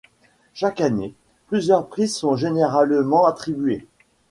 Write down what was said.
Chaque année, plusieurs prix sont généralement attribués.